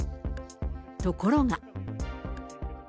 ところが。